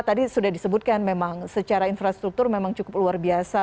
tadi sudah disebutkan memang secara infrastruktur memang cukup luar biasa